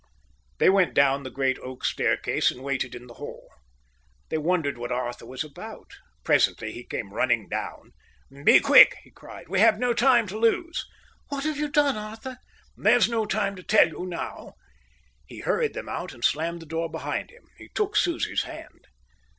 They went down the great oak staircase and waited in the hall. They wondered what Arthur was about. Presently he came running down. "Be quick!" he cried. "We have no time to lose." "What have you done, Arthur?" There's no time to tell you now." He hurried them out and slammed the door behind him. He took Susie's hand.